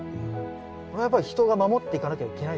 それはやっぱり人が守っていかなきゃいけないんですね。